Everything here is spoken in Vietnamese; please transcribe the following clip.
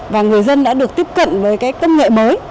và người dân đã được tiếp cận với cái công nghệ mới